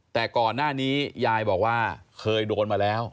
แต่ก่อนหน้านี้ยายบอกว่าเคยโดนมาแล้ว